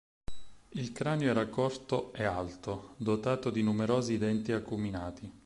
Il cranio era corto e alto, dotato di numerosi denti acuminati.